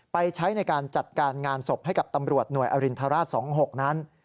ใช้ในการจัดการงานศพให้กับตำรวจหน่วยอรินทราช๒๖นั้น